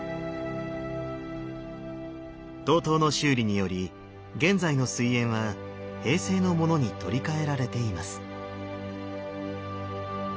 東塔の修理により現在の水煙は平成のものに取り替えられています。